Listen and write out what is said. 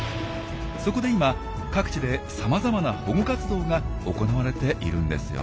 そこで今各地でさまざまな保護活動が行われているんですよ。